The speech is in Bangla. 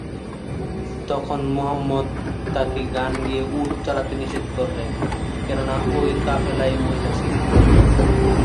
তখন মুহাম্মাদ তাকে গান গেয়ে উট চালাতে নিষেধ করলেন, কেননা ঐ কাফেলায় মহিলা ছিলো।